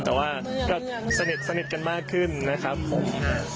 แต่ว่าก็สนิทกันมากขึ้นนะครับผม